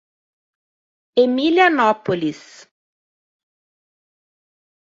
Emilianópolis